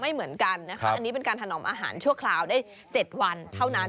ไม่เหมือนกันนะคะอันนี้เป็นการถนอมอาหารชั่วคราวได้๗วันเท่านั้น